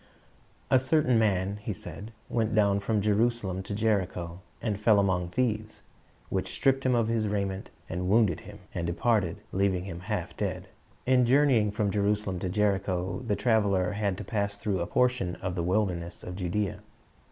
"A certain man," He said, "went down from Jerusalem to Jericho, and fell among thieves, which stripped him of his raiment, and wounded him, and departed, leaving him half dead." In journeying from Jerusalem to Jericho, the traveler had to pass through a portion of the wilderness of Judea.